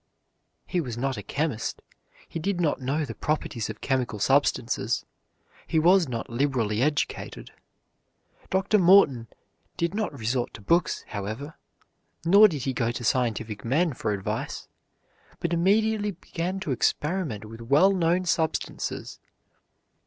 He was not a chemist; he did not know the properties of chemical substances; he was not liberally educated. Dr. Morton did not resort to books, however, nor did he go to scientific men for advice, but immediately began to experiment with well known substances.